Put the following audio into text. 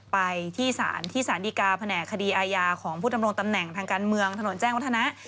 ไปที่ศาลที่สารดีกาแผนกคดีอาญาของผู้ดำรงตำแหน่งทางการเมืองถนนแจ้งวัฒนะ